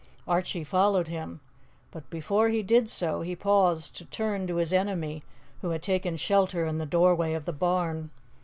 Archie followed him, but before he did so he paused to turn to his enemy, who had taken shelter in the doorway of the barn.